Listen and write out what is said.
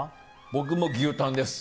僕も牛タンです。